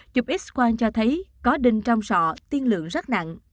chụp x quang cho thấy có đinh trong sọ tiên lượng rất nặng